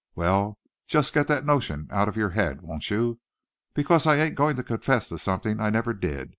Well, just get that notion out of your head, won't you? Because I ain't goin' to confess to something I never did.